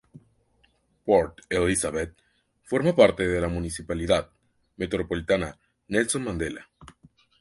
Port Elizabeth forma parte de la Municipalidad Metropolitana Nelson Mandela.